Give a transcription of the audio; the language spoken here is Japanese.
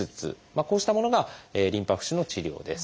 こうしたものがリンパ浮腫の治療です。